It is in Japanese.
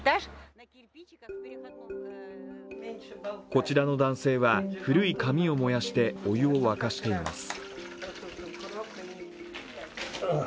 こちらの男性は古い紙を燃やして、お湯を沸かしています。